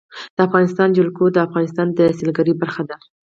د افغانستان جلکو د افغانستان د سیلګرۍ برخه ده.